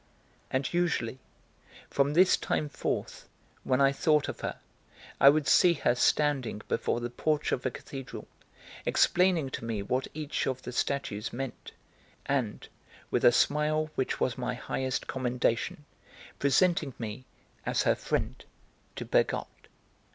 And usually, from this time forth, when I thought of her, I would see her standing before the porch of a cathedral, explaining to me what each of the statues meant, and, with a smile which was my highest commendation, presenting me, as her friend, to Bergotte.